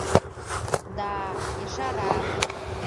Да, ешара!